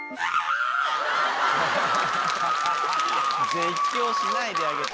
絶叫しないであげて。